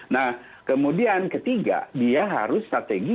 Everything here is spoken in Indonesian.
nah kemudian ketiga dia harus strategi